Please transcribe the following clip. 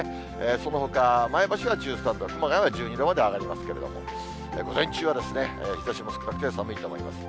そのほか、前橋は１３度、熊谷は１２度まで上がりますけれども、午前中は日ざしも少なくて寒いと思います。